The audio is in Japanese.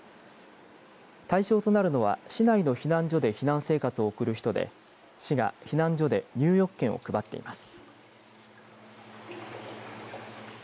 対象となるのは市内の避難所で避難生活を送る人で市が避難所で入浴券を配っています。